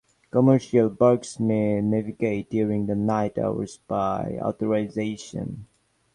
Commercial barges may navigate during the night hours by authorisation.